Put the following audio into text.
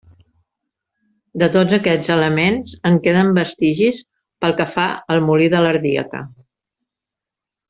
De tots aquests elements en queden vestigis pel que fa al molí de l'Ardiaca.